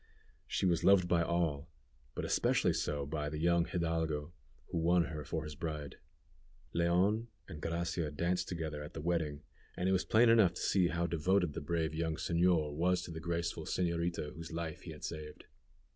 She was loved by all, but especially so by the young hidalgo, who won her for his bride. Leon and Gracia danced together at the wedding, and it was plain enough to see how devoted the brave young señor was to the graceful señorita whose life he had saved.